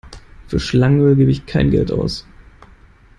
Für Schlangenöl gebe ich kein Geld aus.